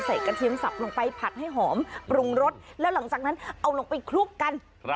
กระเทียมสับลงไปผัดให้หอมปรุงรสแล้วหลังจากนั้นเอาลงไปคลุกกัน